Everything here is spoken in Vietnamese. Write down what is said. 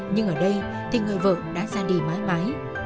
nhưng ở đây thì người vợ đã ra đi mãi mãi